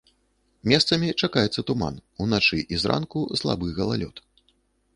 Месцамі чакаецца туман, уначы і зранку слабы галалёд.